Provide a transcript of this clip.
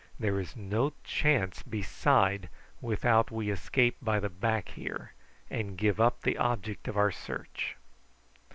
There is no chance beside without we escape by the back here, and give up the object of our search."